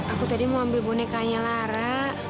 aku tadi mau ambil bonekanya lara